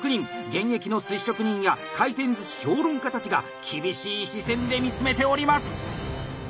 現役の寿司職人や回転寿司評論家たちが厳しい視線で見つめております。